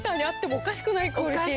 おかしくない。